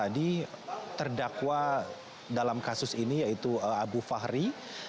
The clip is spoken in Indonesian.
jadi terdakwa dalam kasus ini yaitu abu fahri